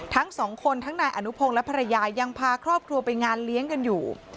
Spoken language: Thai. ทั้งสองคนทั้งนายอนุพงศ์และภรรยายังพาครอบครัวไปงานเลี้ยงกันอยู่